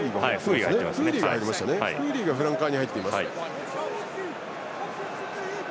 フーリーがフランカーに入っています。